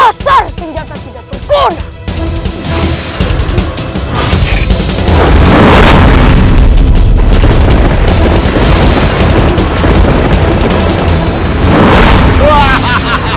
dasar senjata tidak berguna